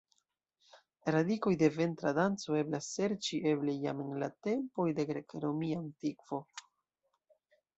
Radikoj de ventra danco eblas serĉi eble jam en la tempoj de grek-romia antikvo.